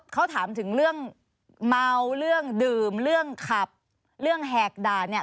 เขาถามถึงเรื่องเมาเรื่องดื่มเรื่องขับเรื่องแหกด่านเนี่ย